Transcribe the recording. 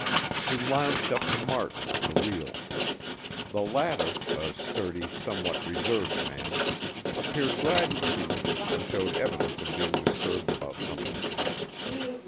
He lounged up to Martin at the wheel. The latter, a sturdy, somewhat reserved man, appeared glad to see him and showed evidence of being disturbed about something.